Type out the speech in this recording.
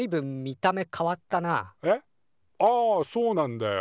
ああそうなんだよ。